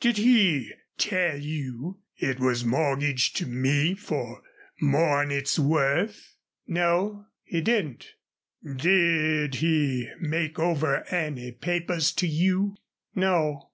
"Did he tell you it was mortgaged to me for more'n it's worth?" "No, he didn't." "Did he make over any papers to you?" "No."